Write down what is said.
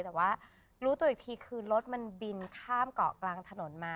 แต่ว่ารู้ตัวอีกทีคือรถมันบินข้ามเกาะกลางถนนมา